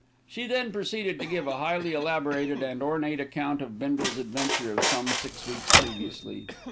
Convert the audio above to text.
She then proceeded to give a highly elaborated and ornate account of Bindle's adventure of some six weeks previously.